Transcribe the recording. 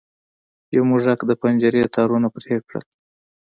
یو موږک د پنجرې تارونه پرې کړل.